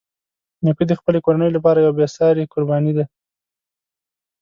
نیکه د خپلې کورنۍ لپاره یوه بېساري قرباني ده.